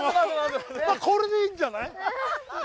これでいいんじゃない？